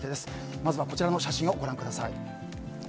まずはこちらの写真をご覧ください。